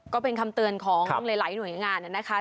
ก็เป็นคำเตือนของหลายหน่วยงานนะคะ